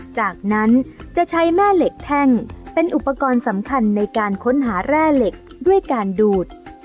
จากนั้นจะใช้แม่เหล็กแท่งเป็นอุปกรณ์สำคัญในการค้นหาแร่เหล็กด้วยการดูด